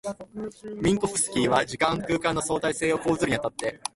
ミンコフスキーは時間空間の相対性を講ずるに当たって、